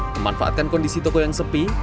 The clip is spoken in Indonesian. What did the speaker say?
memanfaatkan kondisi toko yang sepi